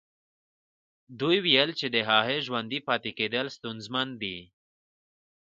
دوی ويل چې د هغه ژوندي پاتې کېدل ستونزمن دي.